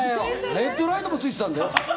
ヘッドライトもついてたんだよ？